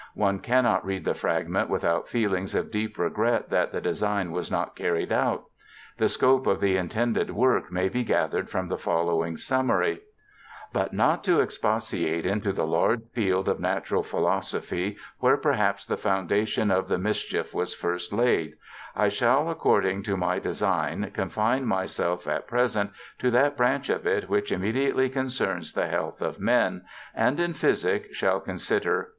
One cannot read the fragment without feelings of deep regret that the design was not carried out. The scope of the intended work may be gathered from the following summary :' But, not to expatiate into the large field JOHN LOCKE 99 of natural philosophy, where perhaps the foundation of the mischief was first laid, I shall, according to my design, confine myself at present to that branch of it which immediately concerns the health of men ; and, in physic, shall consider : i.